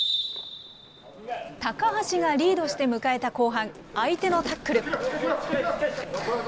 高橋がリードして迎えた後半、相手のタックル。